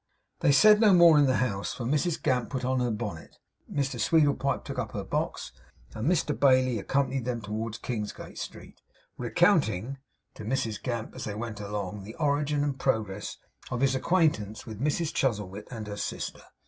They said no more in the house, for Mrs Gamp put on her bonnet, Mr Sweedlepipe took up her box; and Mr Bailey accompanied them towards Kingsgate Street; recounting to Mrs Gamp as they went along, the origin and progress of his acquaintance with Mrs Chuzzlewit and her sister.